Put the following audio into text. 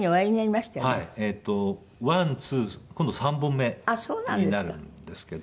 えっと１２今度３本目になるんですけど。